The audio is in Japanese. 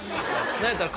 何やったら。